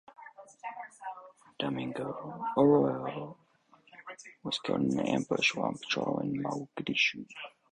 Domingo Arroyo was killed in an ambush while on patrol in Mogadishu.